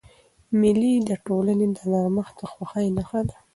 مېلې د ټولني د نرمښت او خوښۍ نخښه ده.